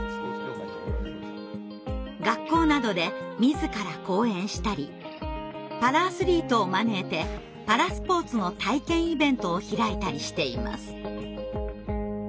学校などで自ら講演したりパラアスリートを招いてパラスポーツの体験イベントを開いたりしています。